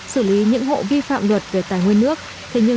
xử lý những nguồn nước thô bị hụt